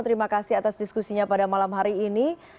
terima kasih atas diskusinya pada malam hari ini